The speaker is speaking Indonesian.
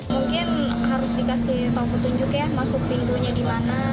mungkin harus dikasih tau petunjuk ya masuk pintunya dimana